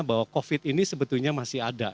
bahwa covid ini sebetulnya masih ada